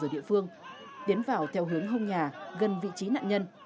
ở địa phương tiến vào theo hướng hông nhà gần vị trí nạn nhân